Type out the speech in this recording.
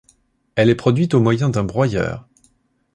Elle est produite au moyen d'un broyeur.